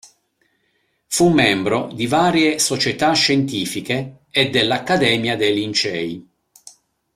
Fu membro di varie società scientifiche e dell'Accademia dei Lincei.